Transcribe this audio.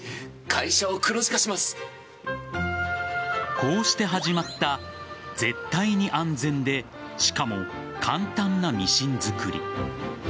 こうして始まった絶対に安全でしかも簡単なミシン作り。